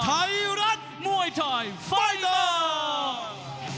ไทรัฐมวยไทยไฟเตอร์